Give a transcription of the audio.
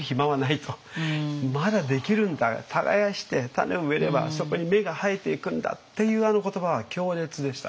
そうだ耕して種を植えればそこに芽が生えていくんだっていうあの言葉は強烈でしたね。